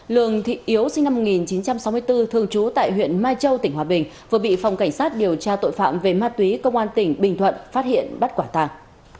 lường thị yếu sinh năm một nghìn chín trăm sáu mươi bốn thường trú tại huyện mai châu tỉnh hòa bình vừa bị phòng cảnh sát điều tra tội phạm về ma túy công an tỉnh bình thuận phát hiện bắt quả tàng